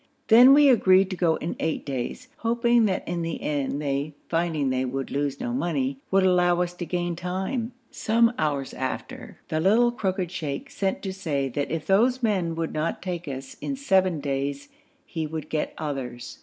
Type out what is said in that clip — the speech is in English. Then we agreed to go in eight days, hoping that in the end they, finding they would lose no money, would allow us to gain time. Some hours after the little crooked sheikh sent to say that if those men would not take us in seven days he would get others.